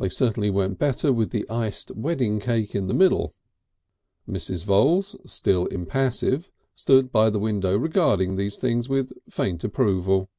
They certainly went better with the iced wedding cake in the middle. Mrs. Voules, still impassive, stood by the window regarding these things with a faint approval.